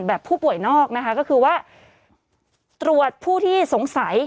ผู้ป่วยนอกนะคะก็คือว่าตรวจผู้ที่สงสัย